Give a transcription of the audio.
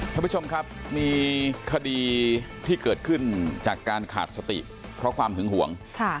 ท่านผู้ชมครับมีคดีที่เกิดขึ้นจากการขาดสติเพราะความหึงห่วง